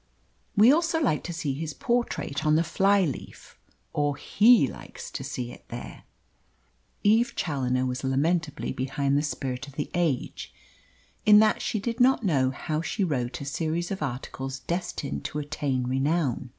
We also like to see his portrait on the fly leaf or HE likes to see it there. Eve Challoner was lamentably behind the spirit of the age in that she did not know how she wrote a series of articles destined to attain renown.